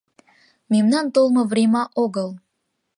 Мемнан толмо врема огыл